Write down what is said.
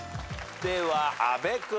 では阿部君。